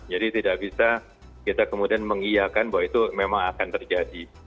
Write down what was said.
tidak bisa kita kemudian mengiakan bahwa itu memang akan terjadi